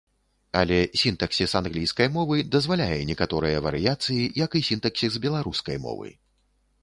Але сінтаксіс англійскай мовы дазваляе некаторыя варыяцыі, як і сінтаксіс беларускай мовы.